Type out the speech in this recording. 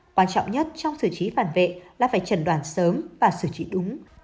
quan trọng nhất trong xử trí phản vệ là phải trần đoán sớm và xử trí đúng